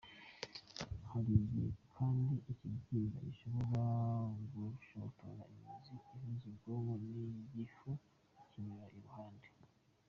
Hari igihe kandi ikibyimba gishobora gushotora imitsi ihuza ubwonko n’igifu ikinyura iruhande.